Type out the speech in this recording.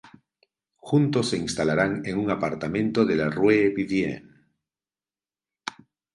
Juntos se instalarán en un apartamento de la Rue Vivienne.